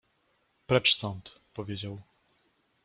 Precz stąd — powiedział.